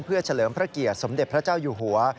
เพื่อเฉลิมพระเกียรติสมเด็จพระเจ้าอยู่หัว